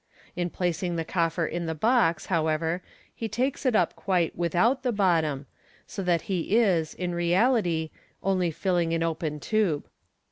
In placing the coffer in the box, however, he takes it up quite without the bottom, so that he is, in reality, only filling an open tube.